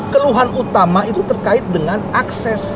keluhan utama itu terkait dengan akses